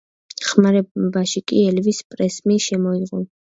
ხმარებაში კი ელვის პრესლიმ შემოიღო.